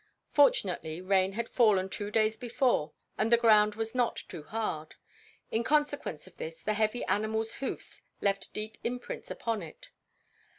Fortunately, rain had fallen two days before and the ground was not too hard; in consequence of this the heavy animal's hoofs left deep imprints upon it.